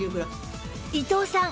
伊藤さん